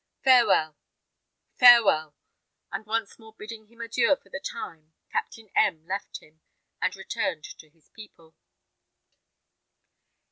Farewell, farewell!" And once more bidding him adieu for the time, Captain M left him, and returned to his people.